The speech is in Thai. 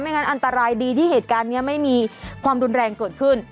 งั้นอันตรายดีที่เหตุการณ์นี้ไม่มีความรุนแรงเกิดขึ้น